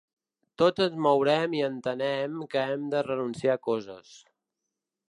Tots ens mourem i entenem que hem de renunciar a coses.